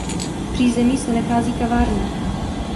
V přízemí se nachází kavárna.